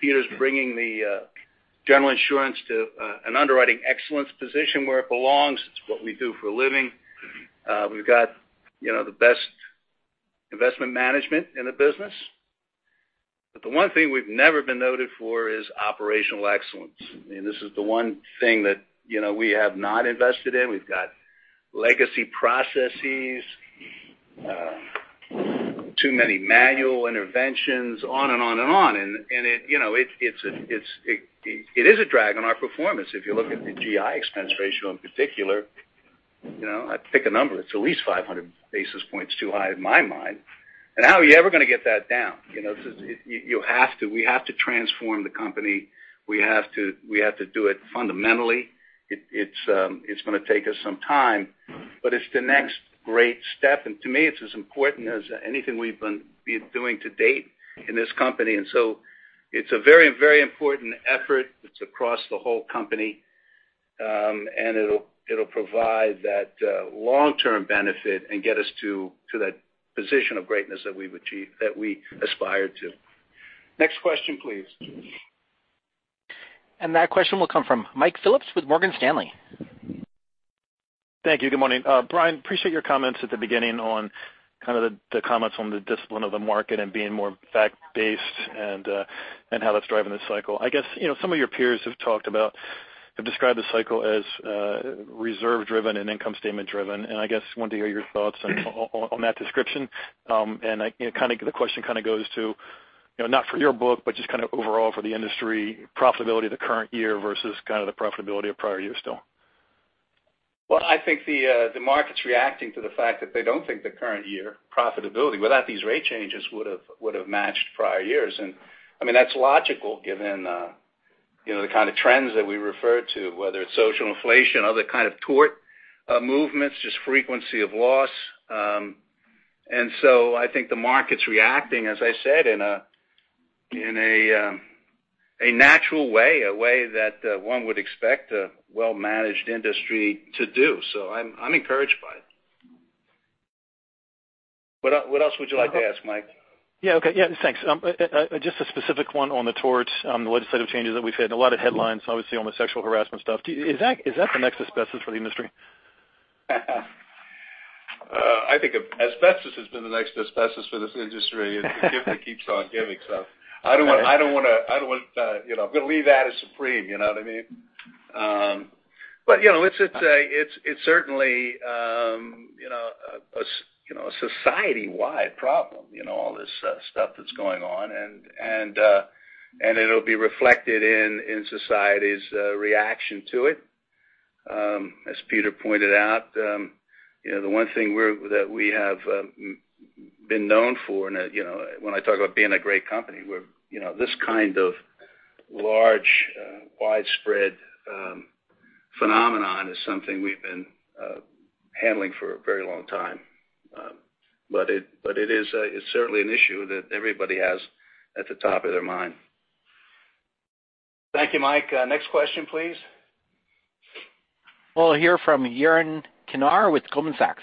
Peter's bringing the General Insurance to an underwriting excellence position where it belongs. It's what we do for a living. We've got the best investment management in the business. The one thing we've never been noted for is operational excellence. I mean, this is the one thing that we have not invested in. We've got legacy processes, too many manual interventions, on and on. It is a drag on our performance. If you look at the GI expense ratio in particular, I'd pick a number, it's at least 500 basis points too high in my mind. How are you ever going to get that down? We have to transform the company. We have to do it fundamentally. It's going to take us some time, but it's the next great step, and to me, it's as important as anything we've been doing to date in this company. It's a very important effort that's across the whole company. It'll provide that long-term benefit and get us to that position of greatness that we've achieved, that we aspire to. Next question, please. That question will come from Mike Phillips with Morgan Stanley. Thank you. Good morning. Brian, appreciate your comments at the beginning on kind of the comments on the discipline of the market and being more fact-based and how that's driving this cycle. I guess, some of your peers have talked about, have described the cycle as reserve driven and income statement driven, and I guess wanted to hear your thoughts on that description. The question kind of goes to, not for your book, but just kind of overall for the industry profitability of the current year versus kind of the profitability of prior years still. Well, I think the market's reacting to the fact that they don't think the current year profitability without these rate changes would've matched prior years. I mean, that's logical given the kind of trends that we refer to, whether it's social inflation, other kind of tort movements, just frequency of loss. I think the market's reacting, as I said, in a natural way, a way that one would expect a well-managed industry to do. I'm encouraged by it. What else would you like to ask, Mike? Yeah. Okay. Thanks. Just a specific one on the tort, the legislative changes that we've had, and a lot of headlines, obviously on the sexual harassment stuff. Is that the next asbestos for the industry? I think asbestos has been the next asbestos for this industry. It's the gift that keeps on giving. I'm going to leave that as supreme, you know what I mean? It's certainly a society-wide problem, all this stuff that's going on. It'll be reflected in society's reaction to it. As Peter pointed out, the one thing that we have been known for and when I talk about being a great company, this kind of large, widespread phenomenon is something we've been handling for a very long time. It's certainly an issue that everybody has at the top of their mind. Thank you, Mike. Next question, please. We'll hear from Yaron Kinar with Goldman Sachs.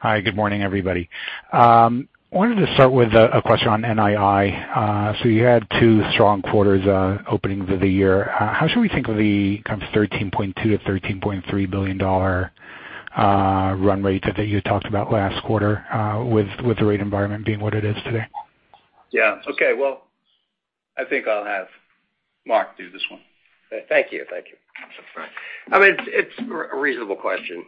Hi. Good morning, everybody. I wanted to start with a question on NII. You had two strong quarters openings of the year. How should we think of the kind of $13.2 or $13.3 billion run rate that you had talked about last quarter with the rate environment being what it is today? Yeah. Okay. I think I'll have Mark do this one. Thank you. That's all right. It's a reasonable question.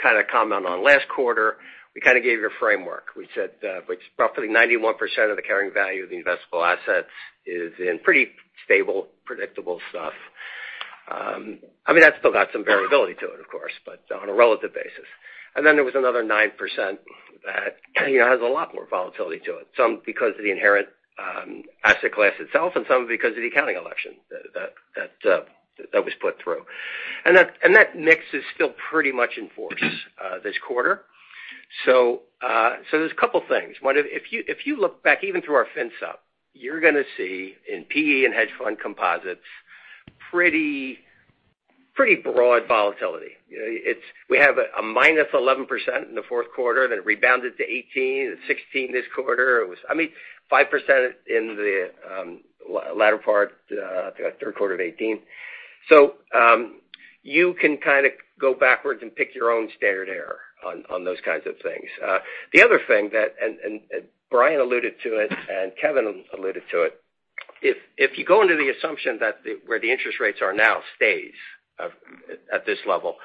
Last quarter, we gave you a framework. We said roughly 91% of the carrying value of the investable assets is in pretty stable, predictable stuff. That's still got some variability to it, of course, but on a relative basis. There was another 9% that has a lot more volatility to it, some because of the inherent asset class itself, and some because of the accounting election that was put through. That mix is still pretty much in force this quarter. There's a couple things. One, if you look back, even through our fins up, you're going to see in PE and hedge fund composites pretty broad volatility. We have a minus 11% in the fourth quarter, then it rebounded to 18%, it's 16% this quarter. It was 5% in the latter part, third quarter of 2018. You can go backwards and pick your own standard error on those kinds of things. The other thing that Brian alluded to it, and Kevin alluded to it. If you go into the assumption that where the interest rates are now stays at this level.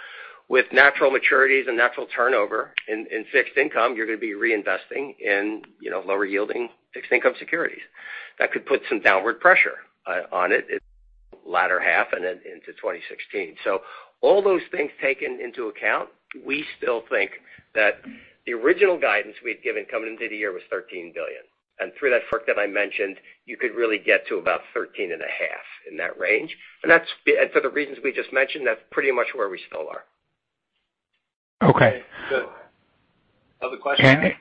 With natural maturities and natural turnover in fixed income, you're going to be reinvesting in lower yielding fixed income securities. That could put some downward pressure on it, latter half and then into 2016. All those things taken into account, we still think that the original guidance we had given coming into the year was $13 billion. Through that work that I mentioned, you could really get to about $13.5 billion, in that range. For the reasons we just mentioned, that's pretty much where we still are. Okay, good. Other questions?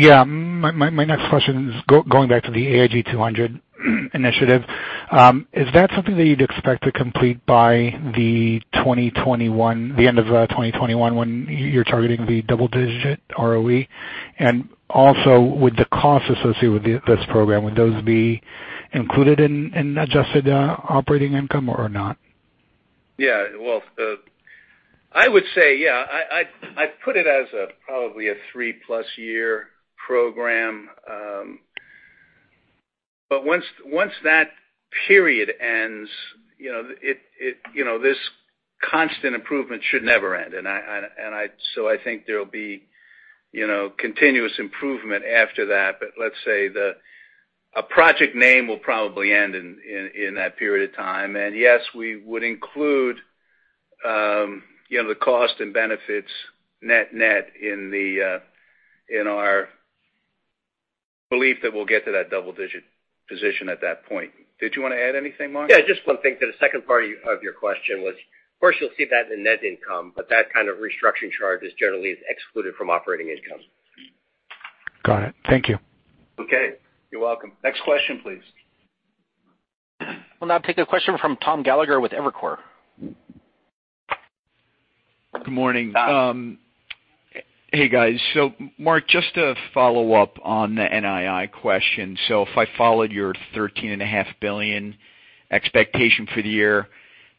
My next question is going back to the AIG 200 initiative. Is that something that you'd expect to complete by the end of 2021 when you're targeting the double-digit ROE? Also, would the cost associated with this program, would those be included in adjusted operating income or not? I would say, yeah. I'd put it as probably a three-plus year program. Once that period ends, this constant improvement should never end. I think there'll be continuous improvement after that. Let's say that a project name will probably end in that period of time. Yes, we would include the cost and benefits net in our belief that we'll get to that double digit position at that point. Did you want to add anything, Mark? Just one thing to the second part of your question was, first you'll see that in net income, that kind of restructuring charge is generally excluded from operating income. Got it. Thank you. Okay. You're welcome. Next question, please. We'll now take a question from Thomas Gallagher with Evercore. Good morning. Hey, guys. Mark, just to follow up on the NII question. If I followed your $13.5 billion expectation for the year,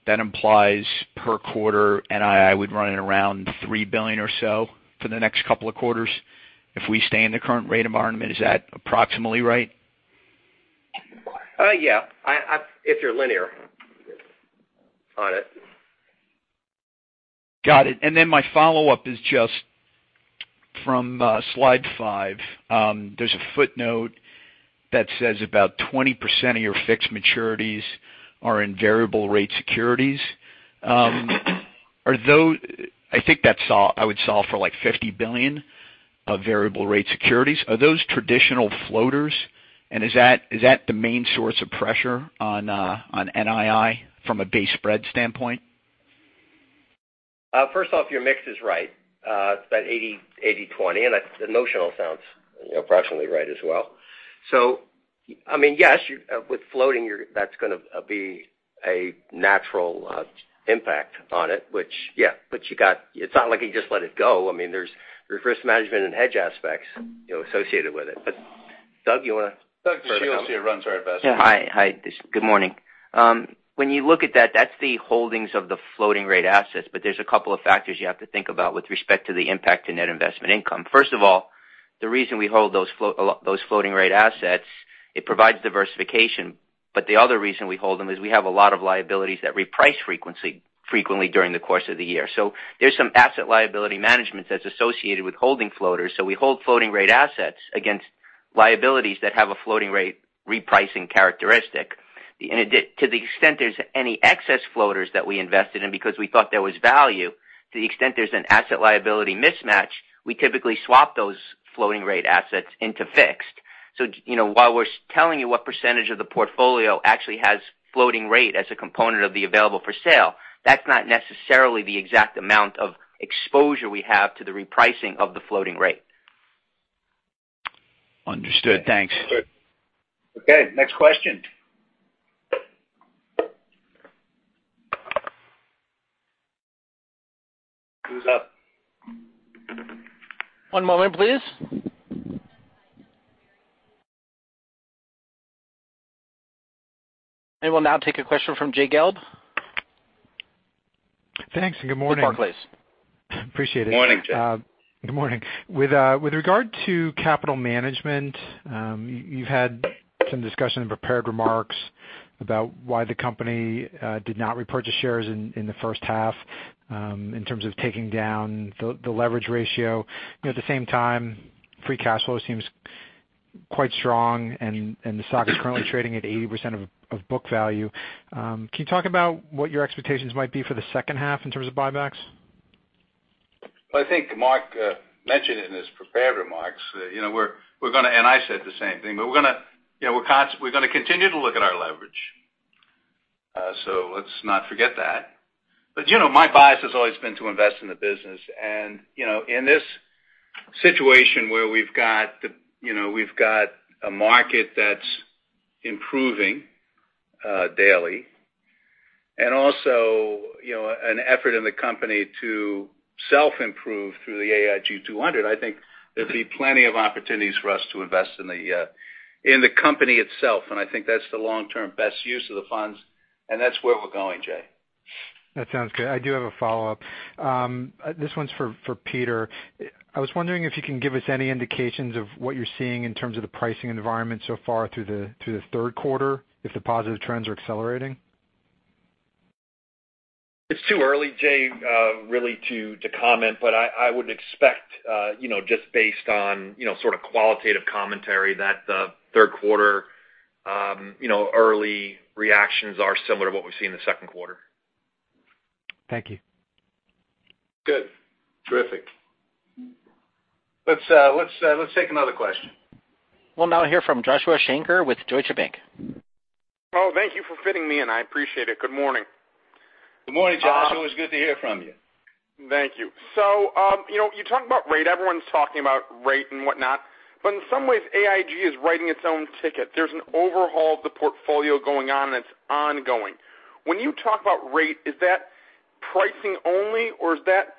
that implies per quarter NII would run at around $3 billion or so for the next couple of quarters if we stay in the current rate environment. Is that approximately right? Yeah. If you're linear on it. Got it. Then my follow-up is just from slide five. There's a footnote that says about 20% of your fixed maturities are in variable rate securities. I think that I would solve for like $50 billion of variable rate securities. Are those traditional floaters, and is that the main source of pressure on NII from a base spread standpoint? First off, your mix is right. It's about 80/20. The notional sounds approximately right as well. Yes, with floating, that's going to be a natural impact on it. Which, yeah, it's not like you just let it go. There's risk management and hedge aspects associated with it. Doug, you want to- Douglas Dachille runs our investment. Yeah. Hi. Good morning. When you look at that's the holdings of the floating rate assets. There's a couple of factors you have to think about with respect to the impact to net investment income. First of all, the reason we hold those floating rate assets, it provides diversification. The other reason we hold them is we have a lot of liabilities that reprice frequently during the course of the year. There's some asset liability management that's associated with holding floaters. We hold floating rate assets against liabilities that have a floating rate repricing characteristic. To the extent there's any excess floaters that we invested in because we thought there was value, to the extent there's an asset liability mismatch, we typically swap those floating rate assets into fixed. While we're telling you what percentage of the portfolio actually has floating rate as a component of the available for sale, that's not necessarily the exact amount of exposure we have to the repricing of the floating rate. Understood. Thanks. Okay. Next question. Who's up? One moment, please. We'll now take a question from Jay Gelb. Thanks, and good morning. From Barclays. Appreciate it. Morning, Jay. Good morning. With regard to capital management, you've had some discussion in prepared remarks about why the company did not repurchase shares in the first half in terms of taking down the leverage ratio. At the same time, free cash flow seems quite strong and the stock is currently trading at 80% of book value. Can you talk about what your expectations might be for the second half in terms of buybacks? I think Mark mentioned in his prepared remarks, and I said the same thing, but we're going to continue to look at our leverage. Let's not forget that. My bias has always been to invest in the business. In this situation where we've got a market that's improving daily and also an effort in the company to self-improve through the AIG 200, I think there'll be plenty of opportunities for us to invest in the company itself, and I think that's the long-term best use of the funds, and that's where we're going, Jay. That sounds good. I do have a follow-up. This one's for Peter. I was wondering if you can give us any indications of what you're seeing in terms of the pricing environment so far through the third quarter if the positive trends are accelerating. It's too early, Jay, really to comment. I would expect just based on sort of qualitative commentary that the third quarter early reactions are similar to what we've seen in the second quarter. Thank you. Good. Terrific. Let's take another question. We'll now hear from Joshua Shanker with Deutsche Bank. Oh, thank you for fitting me in. I appreciate it. Good morning. Good morning, Josh. It's good to hear from you. Thank you. You talk about rate, everyone's talking about rate and whatnot, but in some ways AIG is writing its own ticket. There's an overhaul of the portfolio going on that's ongoing. When you talk about rate, is that pricing only, or is that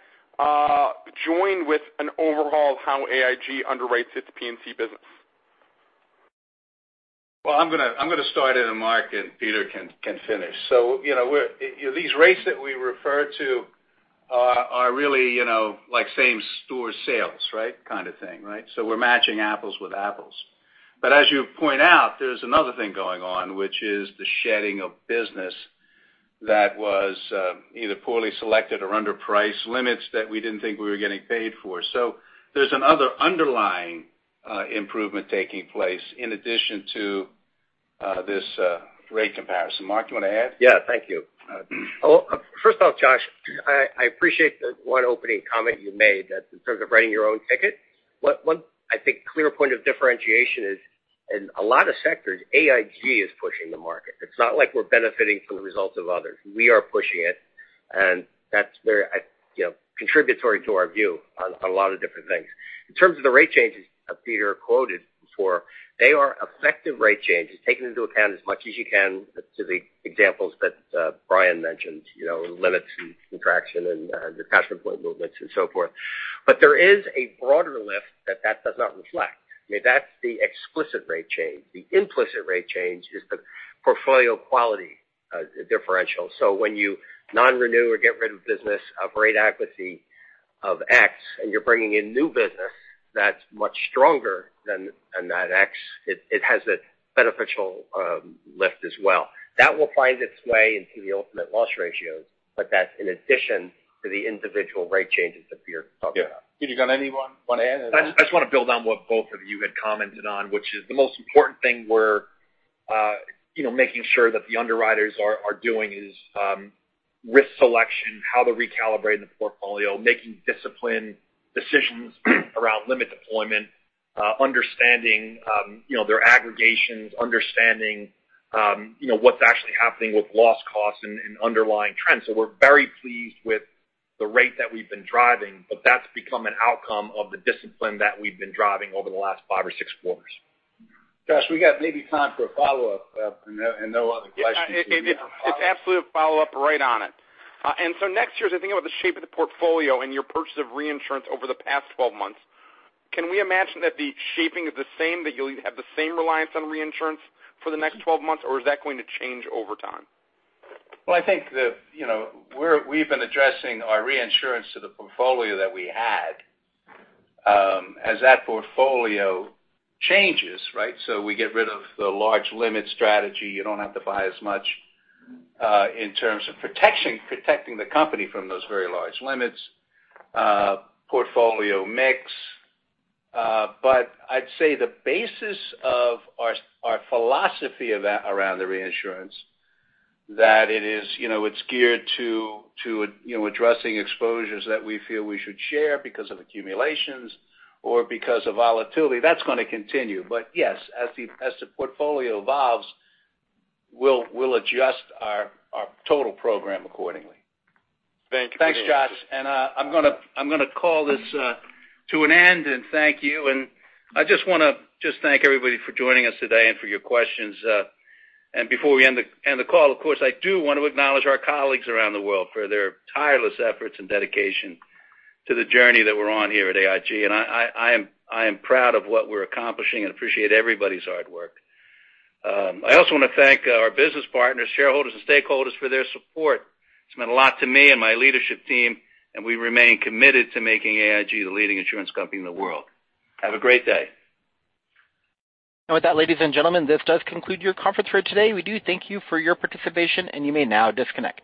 joined with an overhaul of how AIG underwrites its P&C business? Well, I'm going to start it and Mark and Peter can finish. These rates that we refer to are really like same store sales, right? Kind of thing, right? We're matching apples with apples. As you point out, there's another thing going on, which is the shedding of business that was either poorly selected or under price limits that we didn't think we were getting paid for. There's another underlying improvement taking place in addition to this rate comparison. Mark, you want to add? Yeah. Thank you. First off, Josh, I appreciate the one opening comment you made that in terms of writing your own ticket. One I think clear point of differentiation is in a lot of sectors, AIG is pushing the market. It's not like we're benefiting from the results of others. We are pushing it, that's very contributory to our view on a lot of different things. In terms of the rate changes Peter quoted before, they are effective rate changes taken into account as much as you can to the examples that Brian mentioned, limits and contraction and detachment point movements and so forth. There is a broader lift that that does not reflect. I mean, that's the explicit rate change. The implicit rate change is the portfolio quality differential. When you non-renew or get rid of business of rate adequacy of X and you're bringing in new business that's much stronger than that X, it has a beneficial lift as well. That will find its way into the ultimate loss ratios, that's in addition to the individual rate changes that Peter was talking about. Yeah. Peter, you got anyone want to add? I just want to build on what both of you had commented on, which is the most important thing we're making sure that the underwriters are doing is risk selection, how to recalibrate the portfolio, making disciplined decisions around limit deployment, understanding their aggregations, understanding what's actually happening with loss costs and underlying trends. We're very pleased with the rate that we've been driving, but that's become an outcome of the discipline that we've been driving over the last five or six quarters. Josh, we got maybe time for a follow-up and no other questions. It's absolutely a follow-up. Right on it. Next year, as I think about the shape of the portfolio and your purchase of reinsurance over the past 12 months, can we imagine that the shaping is the same, that you'll have the same reliance on reinsurance for the next 12 months, or is that going to change over time? I think that we've been addressing our reinsurance to the portfolio that we had. As that portfolio changes, right? We get rid of the large limit strategy. You don't have to buy as much, in terms of protecting the company from those very large limits, portfolio mix. I'd say the basis of our philosophy around the reinsurance, that it's geared to addressing exposures that we feel we should share because of accumulations or because of volatility. That's going to continue. Yes, as the portfolio evolves, we'll adjust our total program accordingly. Thank you. Thanks, Josh. I'm going to call this to an end and thank you. I just want to thank everybody for joining us today and for your questions. Before we end the call, of course, I do want to acknowledge our colleagues around the world for their tireless efforts and dedication to the journey that we're on here at AIG, and I am proud of what we're accomplishing and appreciate everybody's hard work. I also want to thank our business partners, shareholders, and stakeholders for their support. It's meant a lot to me and my leadership team, and we remain committed to making AIG the leading insurance company in the world. Have a great day. With that, ladies and gentlemen, this does conclude your conference for today. We do thank you for your participation, and you may now disconnect.